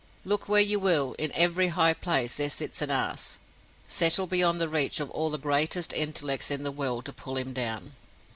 Look where you will, in every high place there sits an Ass, settled beyond the reach of all the greatest intellects in this world to pull him down.